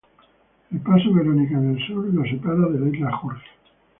El paso Verónica, en el sur, la separa de la isla Jorge.